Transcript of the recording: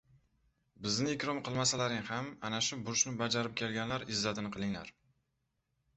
Bizni ikrom qilmasalaring ham, ana shu burchni bajarib kelganlar izzatini qilinglar!